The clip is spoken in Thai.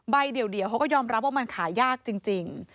เดียวเขาก็ยอมรับว่ามันขายยากจริง